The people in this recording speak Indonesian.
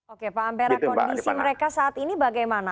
oke pak ampera kondisi mereka saat ini bagaimana